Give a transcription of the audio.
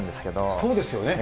そうですよね。